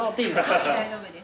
はい大丈夫です。